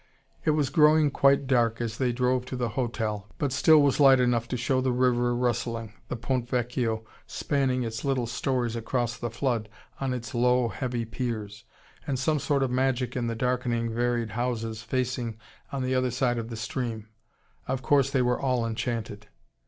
It was growing quite dark as they drove to the hotel, but still was light enough to show the river rustling, the Ponte Vecchio spanning its little storeys across the flood, on its low, heavy piers: and some sort of magic of the darkening, varied houses facing, on the other side of the stream. Of course they were all enchanted.